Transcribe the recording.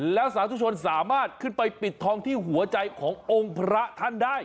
แล้วสาธุชนสามารถขึ้นไปปิดทองที่หัวใจขององค์พระท่านได้